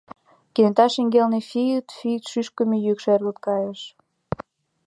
Кенета шеҥгелне фи-и-ит, фи-и-ит шӱшкымӧ йӱк шергылт кайыш.